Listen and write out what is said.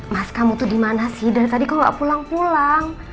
mas kamu tuh di mana sih dari tadi kau gak pulang pulang